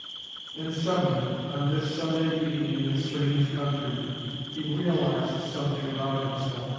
Then suddenly, on this Sunday evening in the strange country, he realised something about himself.